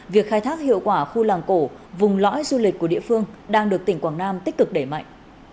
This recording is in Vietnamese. việc khai thác hiệu quả khu làng cổ vùng lõi du lịch của địa phương đang được tỉnh quảng nam tích cực đẩy mạnh